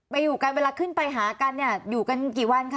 อยู่กันเวลาขึ้นไปหากันเนี่ยอยู่กันกี่วันคะ